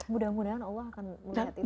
mudah mudahan allah akan melihat ini